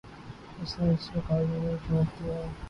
اس نے اس مقابلے میں جھونک دیا۔